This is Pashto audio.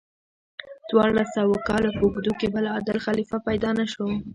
څوارلس سوو کالو په اوږدو کې بل عادل خلیفه پیدا نشو.